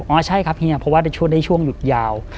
บอกอ๋อใช่ครับเฮียเพราะว่าได้ช่วงหยุดยาว